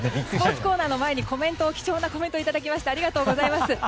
スポーツコーナーの前に貴重なコメントいただきましてありがとうございます。